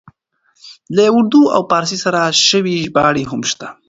له اردو او پاړسي څخه شوې ژباړې هم شته.